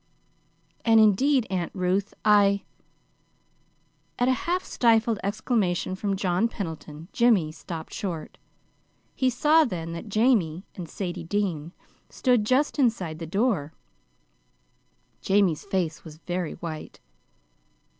"And, indeed, Aunt Ruth, I " At a half stifled exclamation from John Pendleton, Jimmy stopped short. He saw then that Jamie and Sadie Dean stood just inside the door. Jamie's face was very white.